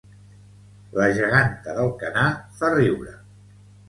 La geganta d'Alcanar fa riure